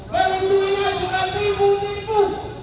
pelituinya juga tipu tipu